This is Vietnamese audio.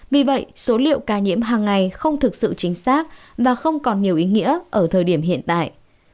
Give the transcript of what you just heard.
vì vậy số liệu ca nhiễm hàng ngày không thực sự chính xác và không còn nhiều ý nghĩa ở thời điểm hiện tại